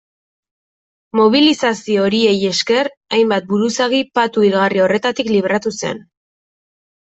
Mobilizazio horiei esker hainbat buruzagi patu hilgarri horretatik libratu zen.